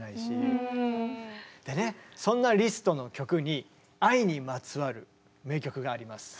でねそんなリストの曲に愛にまつわる名曲があります。